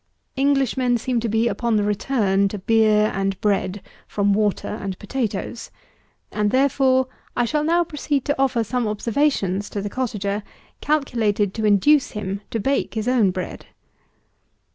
Englishmen seem to be upon the return to beer and bread, from water and potatoes: and, therefore, I shall now proceed to offer some observations to the cottager, calculated to induce him to bake his own bread.